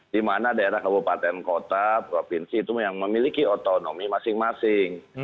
di mana daerah kabupaten kota provinsi itu yang memiliki otonomi masing masing